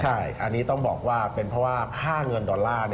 ใช่อันนี้ต้องบอกว่าเป็นเพราะว่าค่าเงินดอลลาร์